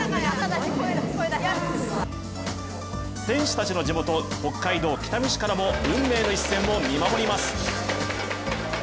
選手たちの地元北海道北見市からも運命の一戦を見守ります。